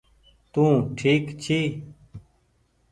تونٚ ٺيڪ ڇي